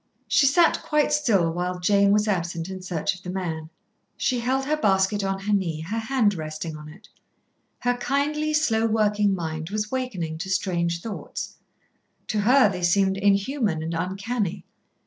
She sat quite still while Jane was absent in search of the man. She held her basket on her knee, her hand resting on it. Her kindly, slow working mind was wakening to strange thoughts. To her they seemed inhuman and uncanny.